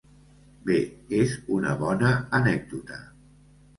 Bé, és una bona anècdota.